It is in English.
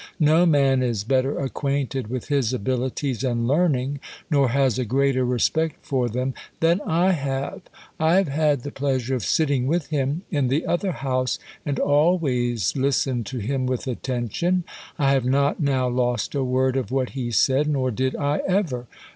No man is better acquainted with his abilities and learning, nor has a greater respect ior them, than I have. I have had the pleasure of sitting w^ith him in the other House, and always listened to him with attention. I have not now lost a word of what he said, nor did I ever.